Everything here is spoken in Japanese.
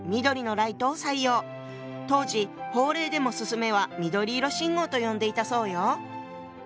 当時法令でも「進め」は「緑色信号」と呼んでいたそうよ。